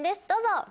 どうぞ！